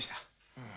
うん。